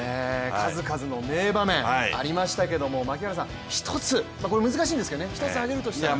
数々の名場面ありましたけれども、槙原さん、一つ、難しいんですけどね、一つ挙げるとしたら？